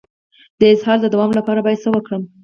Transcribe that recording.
د اسهال د دوام لپاره باید څه وکړم؟